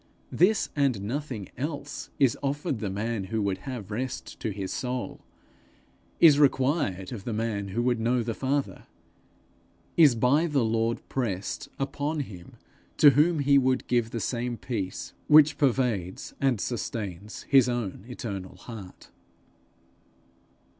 This, and nothing else, is offered the man who would have rest to his soul; is required of the man who would know the Father; is by the Lord pressed upon him to whom he would give the same peace which pervades and sustains his own eternal heart.